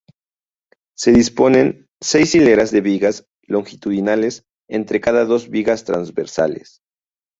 Se disponen seis hileras de vigas longitudinales entre cada dos vigas transversales.